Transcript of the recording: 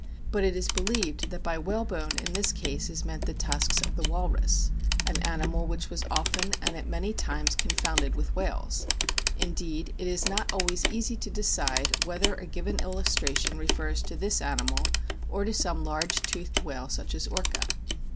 But it is believed that by whalebone in this case is meant the tusks of the walrus, an animal which was often and at many times confounded with whales ; indeed, it is not always easy to decide whether a given illustration refers to this animal or to some large toothed whale, such as Orca.